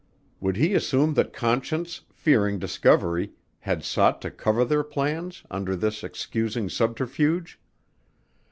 Would he assume that Conscience, fearing discovery, had sought to cover their plans under this excusing subterfuge?